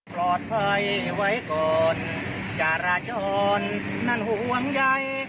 ปลอดภัยไว้ก่อนจราจรนั่นห่วงใย